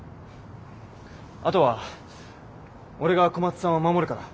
あとは俺が小松さんを守るから。